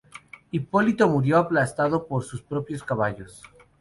Hipólito murió aplastado por sus propios caballos.